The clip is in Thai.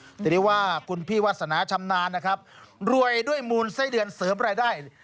ซึ่งที่รู้ว่าคุณพี่วัฒนะชำนาญว่ารวยด้วยมูลไส้เดือนเสริมรายได้